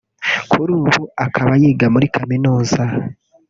kuri ubu akaba yiga muri Kaminuza